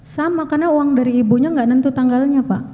sama karena uang dari ibunya nggak nentu tanggalnya pak